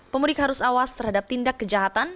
pemudik harus awas terhadap tindak kejahatan